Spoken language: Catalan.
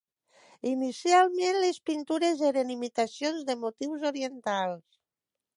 Inicialment les pintures eren imitacions de motius orientals.